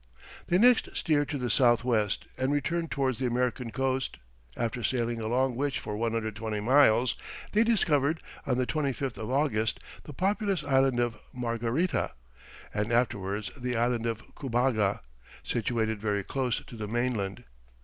They next steered to the south west and returned towards the American coast; after sailing along which for 120 miles, they discovered, on the 25th of August, the populous Island of Margarita, and afterwards the Island of Cubaga, situated very close to the mainland.